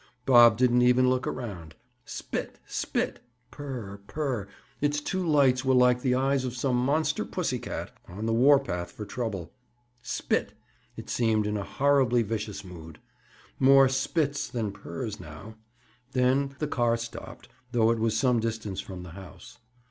Bob didn't even look around. Spit!—spit!—purr!—purr!—Its two lights were like the eyes of some monster pussy cat, on the war path for trouble. Spit!—it seemed in a horribly vicious mood. More "spits" than "purrs," now! Then the car stopped, though it was some distance from the house.